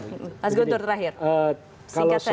mas guntur terakhir singkat saja